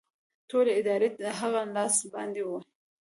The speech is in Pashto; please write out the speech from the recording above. ټولې ادارې د هغه لاس باندې وې